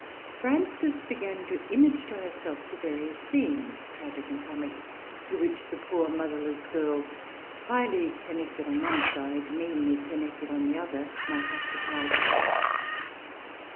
Frances began to image to herself the various scenes, tragic and comic, through which the poor motherless girl, highly connected on one side, meanly connected on the other, might have to pass.